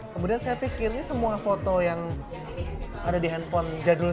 kemudian saya pikir ini semua foto yang ada di handphone jadul